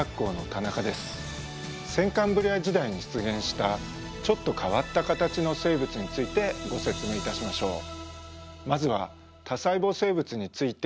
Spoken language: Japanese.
先カンブリア時代に出現したちょっと変わった形の生物についてご説明いたしましょう。